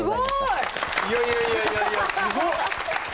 すごい！いやいやいやいやいやすごっ！